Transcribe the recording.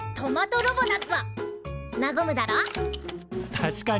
確かに。